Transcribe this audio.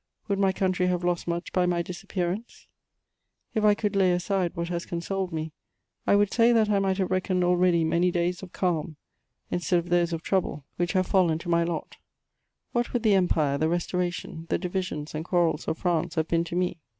Would my country have lost much by my disappearance ? If I could lay aside what has consoled me, I would say that I might have reckoned already many days of calm, instead of those of trouble, which have &llen to my lot. What would the Empire, the Restoration, the divisions and quarrels of France have been to me?